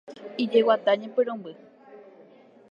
Ijeguata ñepyrũmby.